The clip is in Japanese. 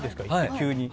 急に。